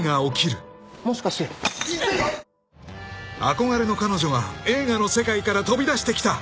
［憧れの彼女は映画の世界から飛び出してきた］